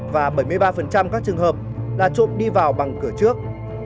và bảy mươi ba các trường hợp là trộm đi vào bằng cửa trước